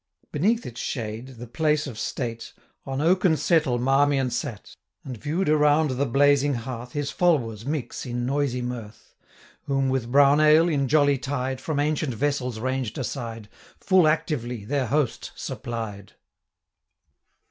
Beneath its shade, the place of state, On oaken settle Marmion sate, And view'd around the blazing hearth. His followers mix in noisy mirth; 60 Whom with brown ale, in jolly tide, From ancient vessels ranged aside, Full actively their host supplied.